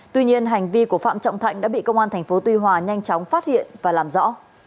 tuy nhiên hành vi của phạm trọng thạnh đã bị công an tp tuy hòa nhanh chóng phát hiện và làm rõ